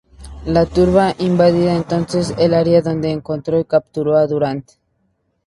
La turba invadió entonces el área, donde encontró y capturó a Durant.